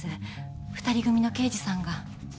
２人組の刑事さんが。